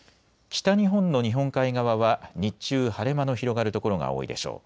北日本の日本海側は日中、晴れ間の広がる所が多いでしょう。